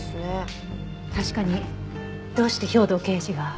確かにどうして兵藤刑事が。